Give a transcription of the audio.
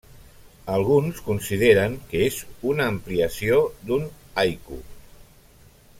Alguns consideren que és una ampliació d'un haiku.